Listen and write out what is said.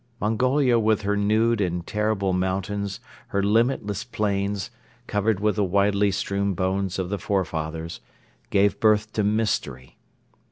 Mongolia with her nude and terrible mountains, her limitless plains, covered with the widely strewn bones of the forefathers, gave birth to Mystery.